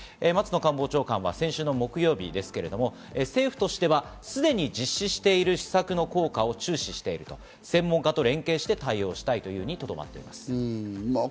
松野官房長官は先週木曜日、政府としてはすでに実施している施策の効果を注視したい、専門家と連携して対応したいというふうにとどまっています。